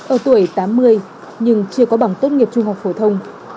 ở tuổi tám mươi nhưng chưa có bảng tốt nghiệp trung học phổ thông